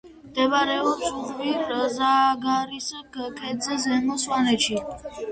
მდებარეობს უღვირ-ზაგარის ქედზე, ზემო სვანეთში.